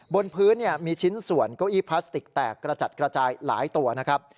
บนพื้นมีชิ้นส่วนเก้าอี้พลาสติกแตกกระจัดกระจายหลายตัวนะครับ